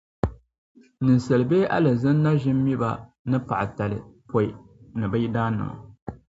Ninsala bee alizini na ʒin mi ba ni paɣatali pɔi ni bɛ yidannima.